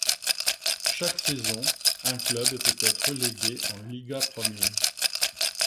Chaque saison, un club peut être relégué en Liga Premier.